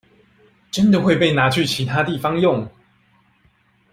真的會被拿去其他地方用